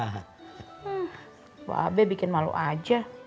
hmm bapak bikin malu aja